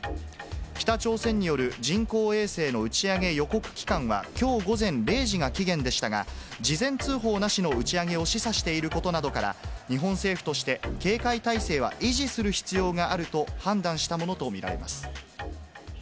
北朝鮮による人工衛星の打ち上げ予告期間はきょう午前０時が期限でしたが、事前通報なしの打ち上げを示唆していることなどから、日本政府として警戒態勢は維持する必要があると判断したものと見られます。